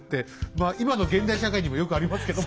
まあ今の現代社会にもよくありますけど。